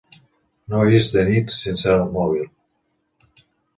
No isc de nit sense el mòbil.